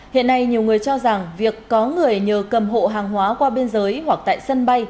hiện nay nhiều người cho rằng việc có người nhờ cầm hộ hàng hóa qua biên giới hoặc tại sân bay